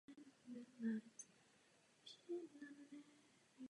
Celý areál hradu je veřejně přístupný ale ještě nebyl předmětem archeologického výzkumu.